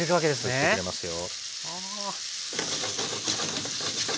吸ってくれますよ。